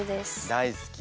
大好き。